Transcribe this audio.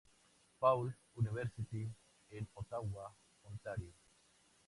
Paul University en Ottawa, Ontario.